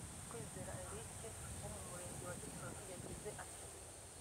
Kwizera Eric wo mu murenge wa Gisozi yagize ati